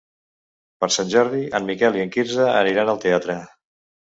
Per Sant Jordi en Miquel i en Quirze aniran al teatre.